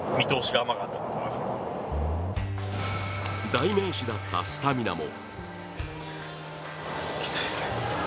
代名詞だった、スタミナも。